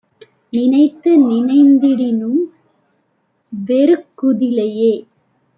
நினைந்து நினைந்திடினும் வெறுக்குதிலையே